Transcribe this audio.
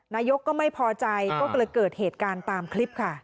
นายกก็ไม่พอใจก็เลยเกิดเหตุการณ์ตามคลิปค่ะ